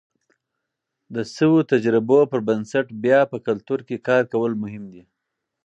د شویو تجربو پر بنسټ بیا په کلتور کې کار کول مهم دي.